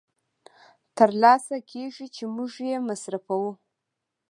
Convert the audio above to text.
تر لاسه کېږي چې موږ یې مصرفوو